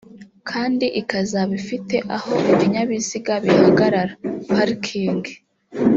kandi ikazaba ifite aho ibinyabiziga bihagarara (parking)